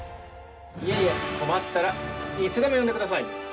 いえいえ困ったらいつでも呼んでください！